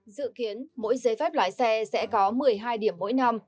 dự kiến mỗi giấy phép lái xe sẽ có một mươi hai điểm mỗi năm